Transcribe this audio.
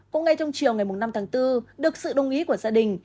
cũng ngay trong chiều ngày năm tháng bốn được sự đồng ý của gia đình